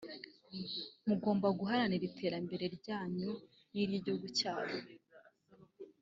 mugomba guharanira iterambere ryanyu n’iry’igihugu cyanyu”